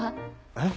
えっ？